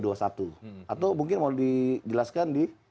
atau mungkin mau dijelaskan di